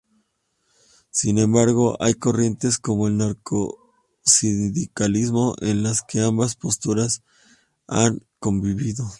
Sin embargo, hay corrientes como el anarcosindicalismo en las que ambas posturas han convivido.